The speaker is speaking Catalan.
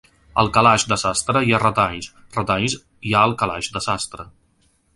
Al calaix de sastre hi ha retalls, retalls hi ha al calaix de sastre.